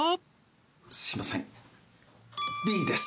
すいませんＢです